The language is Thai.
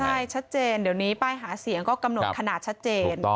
ใช่ชัดเจนเดี๋ยวนี้ป้ายหาเสียงก็กำหนดขนาดชัดเจน